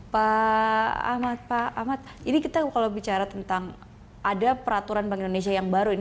pak ahmad pak ahmad ini kita kalau bicara tentang ada peraturan bank indonesia yang baru ini